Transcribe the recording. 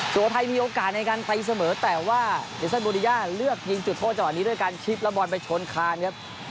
สุภาทัยมีโอกาสในการไปเสมอแต่ว่าเนลซันบูรณียาเลือกยิงจุดโทษจากวันนี้ด้วยการคลิปละบอนไปชนคลานครับ